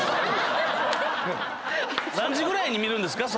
何時ぐらいに見るんですか？